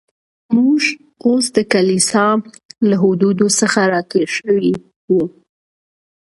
موږ اوس د کلیسا له حدودو څخه را تېر شوي و.